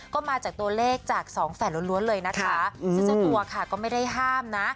ก็มาจากตัวเลขจากสองแฝดล้วนเลยนะคะซึ่งเจ้าตัวค่ะก็ไม่ได้ห้ามนะ